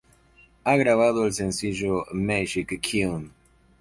Ha grabado el sencillo "Magic Kyun!